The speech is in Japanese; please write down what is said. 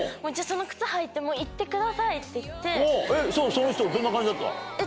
その人どんな感じだった？